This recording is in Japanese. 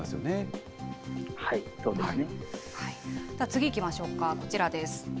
次いきましょうか、こちらです。